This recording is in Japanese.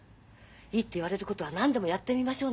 いいって言われることは何でもやってみましょう。